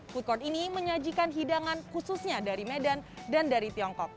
food court ini menyajikan hidangan khususnya dari medan dan dari tiongkok